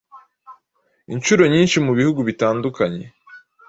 Inshuro nyinshi, mu bihugu bitandukanye